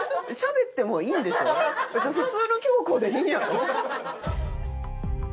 別に普通の京子でいいやろ？